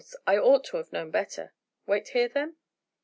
I ought to have known better. Wait here then?"